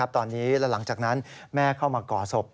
ตอนนี้และหลังจากนั้นแม่เข้ามาก่อศพ